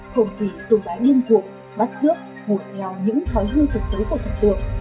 không chỉ dùng bái điên cuộn bắt trước ngồi theo những thói hư thật xấu của thần tượng